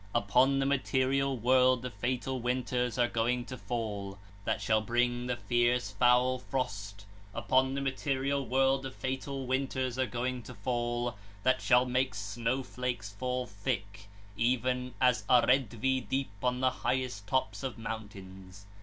Upon the material p. 16 world the fatal winters are going to fall, that shall bring the fierce, foul frost; upon the material world the fatal winters 1 are going to fall, that shall make snow flakes fall thick, even an aredvî deep on the highest tops of mountains 2.